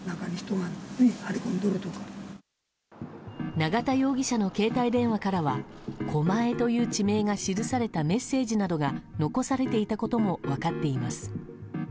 永田容疑者の携帯電話からは「狛江」という地名が記されたメッセージなどが残されていたことも分かっています。